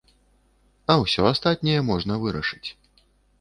А ўсё астатняе можна вырашыць.